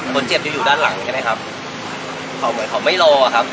คนเจ็บจะอยู่ด้านหลังใช่ไหมครับเขาเหมือนเขาไม่รอครับ